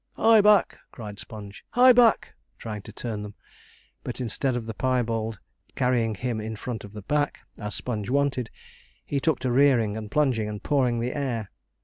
'Hie back!' cried Sponge. 'Hie back!' trying to turn them; but instead of the piebald carrying him in front of the pack, as Sponge wanted, he took to rearing, and plunging, and pawing the air.